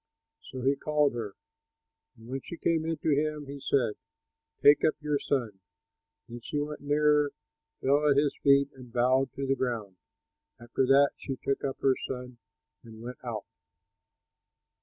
So he called her. And when she came in to him, he said, "Take up your son." Then she went nearer, fell at his feet, and bowed to the ground; after that she took up her son and went out.